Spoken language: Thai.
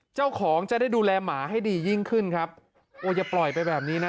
จะได้ดูแลหมาให้ดียิ่งขึ้นครับโอ้อย่าปล่อยไปแบบนี้นะ